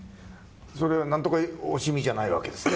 それはなんとか惜しみじゃないわけですね。